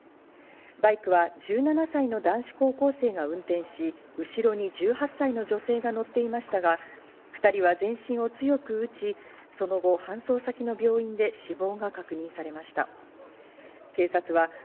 バイクは１７歳の男子高校生が運転し、後ろに１８歳の女性が乗っていましたが、２人は全身を強く打ち、その後、搬送先の病院で死亡が確認されました。